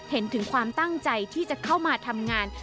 เห็นถึงความตั้งใจที่จะเข้ามาทำงาน